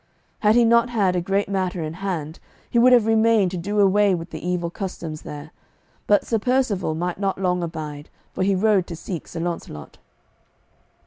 Had he not had a great matter in hand, he would have remained to do away with the evil customs there. But Sir Percivale might not long abide, for he rode to seek Sir Launcelot.